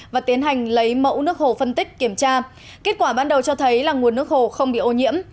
và tiến hành lấy mẫu nước hồ phân tích kiểm tra kết quả ban đầu cho thấy là nguồn nước hồ không bị ô nhiễm